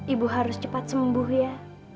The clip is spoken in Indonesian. ibu harus cepat sembuh ya